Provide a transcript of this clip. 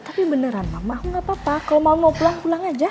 ini beneran mami aku gak apa apa kalau mami mau pulang pulang aja